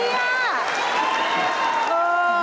เออ